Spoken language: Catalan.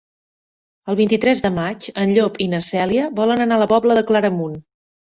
El vint-i-tres de maig en Llop i na Cèlia volen anar a la Pobla de Claramunt.